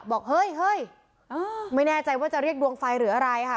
บอกเฮ้ยเฮ้ยมันในการเรียกโดรงฟัยหรืออะไรค่ะ